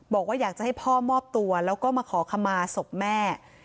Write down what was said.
บอกว่าอยากจะให้พ่อมอบตัวแล้วก็มาขอขมาศพแม่